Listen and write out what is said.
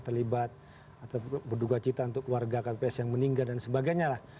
terlibat atau berduga cita untuk keluarga kps yang meninggal dan sebagainya lah